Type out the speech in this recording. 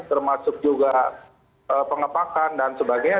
termasuk juga pengepakan dan sebagainya